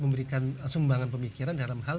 memberikan sumbangan pemikiran dalam hal